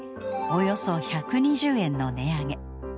およそ１２０円の値上げ。